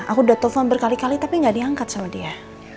aku udah telepon berkali kali tapi gak diangkat sama dia